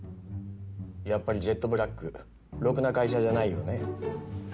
やっぱりジェットブラックろくな会社じゃないようね